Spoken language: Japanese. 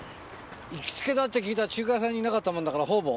行きつけだって聞いた中華屋さんにいなかったもんだから方々。